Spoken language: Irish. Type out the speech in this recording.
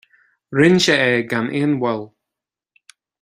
Rinne sé é gan aon mhoill.